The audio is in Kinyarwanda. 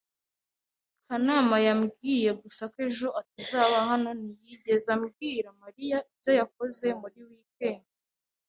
Kanama yambwiye gusa ko ejo atazaba hano ntiyigeze abwira Mariya ibyo yakoze muri wikendi.